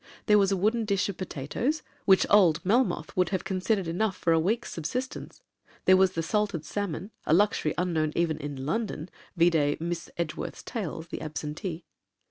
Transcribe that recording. There was a wooden dish of potatoes, which old Melmoth would have considered enough for a week's subsistence. There was the salted salmon, (a luxury unknown even in London. Vide Miss Edgeworth's Tales, 'The Absentee').